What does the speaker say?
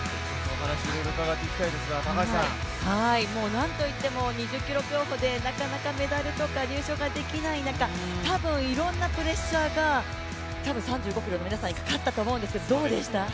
なんといっても２０ｋｍ競歩でなかなかメダルとか入賞ができない中たぶんいろんなプレッシャーが、３５ｋｍの皆さんにかかったと思うんですがどうでしたか？